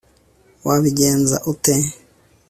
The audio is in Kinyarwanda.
wabigenze ute